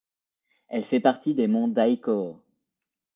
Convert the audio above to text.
Elle fait partie des monts Daikō.